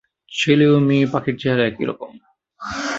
ছেলে ও মেয়ে পাখির চেহারা একইরকম।